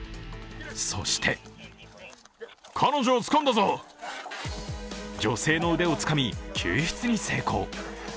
そして女性の腕をつかみ、救出に成功。